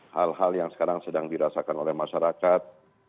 hal hal yang sekarang sedang dirasakan oleh masyarakat